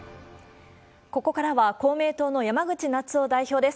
ここからは、公明党の山口那津男代表です。